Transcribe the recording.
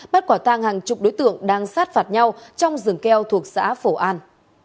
bắt quả tang hàng chục đối tượng đang sát phạt nhau trong rừng keo thuộc xã phổ an